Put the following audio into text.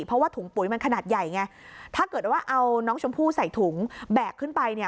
เพราะว่าถุงปุ๋ยมันขนาดใหญ่ไงถ้าเกิดว่าเอาน้องชมพู่ใส่ถุงแบกขึ้นไปเนี่ย